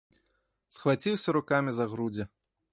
Схваціўся рукамі за грудзі.